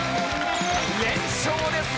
連勝です